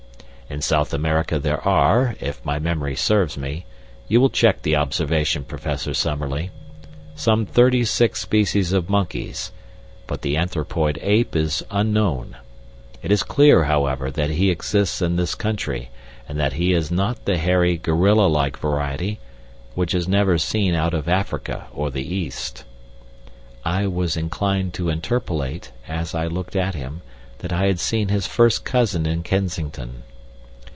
"In South America there are, if my memory serves me you will check the observation, Professor Summerlee some thirty six species of monkeys, but the anthropoid ape is unknown. It is clear, however, that he exists in this country, and that he is not the hairy, gorilla like variety, which is never seen out of Africa or the East." (I was inclined to interpolate, as I looked at him, that I had seen his first cousin in Kensington.)